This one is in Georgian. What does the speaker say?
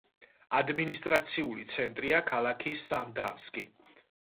ადმინისტრაციული ცენტრია ქალაქი სანდანსკი.